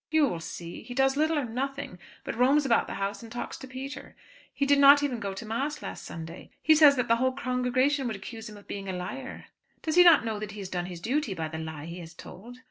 "You will see. He does little or nothing, but roams about the house and talks to Peter. He did not even go to mass last Sunday. He says that the whole congregation would accuse him of being a liar." "Does he not know that he has done his duty by the lie he has told?"